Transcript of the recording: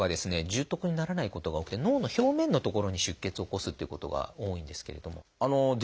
重篤にならないことが多くて脳の表面の所に出血を起こすっていうことが多いんですけれども。